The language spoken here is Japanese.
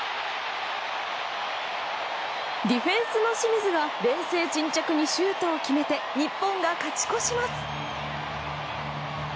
ディフェンスの清水が冷静沈着にシュートを決めて日本が勝ち越します。